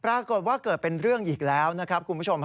ปรากฏว่าเกิดเป็นเรื่องอีกแล้วนะครับคุณผู้ชม